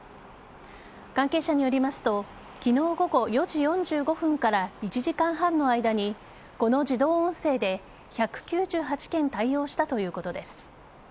関係者によりますと昨日午後４時４５分から１時間半の間にこの自動音声で１９８件対応したということです。